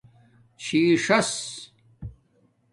چھی ڞاس